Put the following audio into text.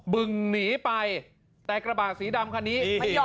บึงหนีไปแต่กระบะสีดำคันนี้